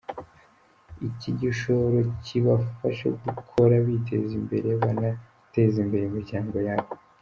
Iki gishoro kibafashe gukora biteza imbere banateza imbere imiryango yabo.